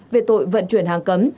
về tội vận chuyển hàng cấm